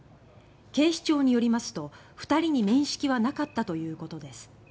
警視庁によりますと２人に面識はなかったということです。